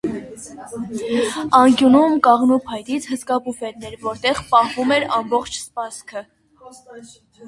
Անկյունում կաղնու փայտից հսկա բուֆետն էր, որտեղ պահվում էր ամբողջ սպասքը: